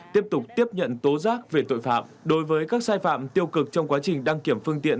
tiếp tục tiếp nhận tố giác về tội phạm đối với các sai phạm tiêu cực trong quá trình đăng kiểm phương tiện